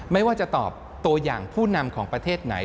ไม่ว่าจะตอบตัวอย่างผู้นำของประเทศไหน